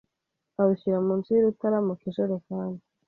arushyira munsi y'urutara mu kijerekani